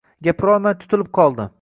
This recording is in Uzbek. Gapirolmay tutilib qoldi